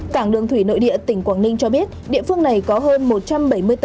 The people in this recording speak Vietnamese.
cảng đường thủy nội địa tỉnh quảng ninh cho biết địa phương này có hơn một trăm bảy mươi tàu